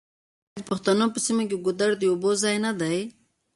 آیا د پښتنو په سیمو کې ګودر د اوبو ځای نه دی؟